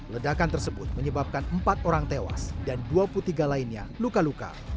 ledakan tersebut menyebabkan empat orang tewas dan dua puluh tiga lainnya luka luka